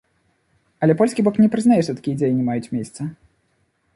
Але польскі бок не прызнае, што такія дзеянні маюць месца.